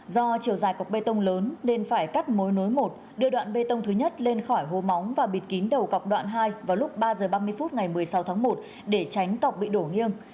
do chiều dài cọc bê tông lớn nên phải cắt mối nối một đưa đoạn bê tông thứ nhất lên khỏi hố móng và bịt kín đầu cọc đoạn hai vào lúc ba h ba mươi phút ngày một mươi sáu tháng một để tránh cọc bị đổ nghiêng